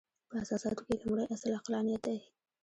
په اساساتو کې یې لومړۍ اصل عقلانیت دی.